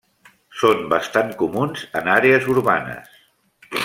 Són bastant comuns en àrees urbanes.